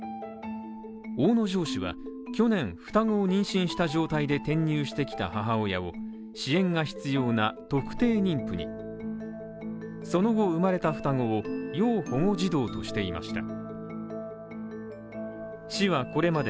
大野城市は去年、双子を妊娠した状態で転入してきた母親を支援が必要な特定妊婦にその後生まれた双子を要保護児童としていました